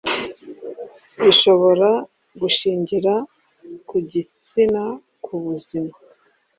bishobora gushingira ku gitsina ku buzima